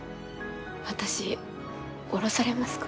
私降ろされますか？